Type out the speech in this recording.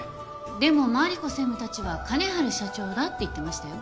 でも真梨子専務たちは金治社長だって言ってましたよ。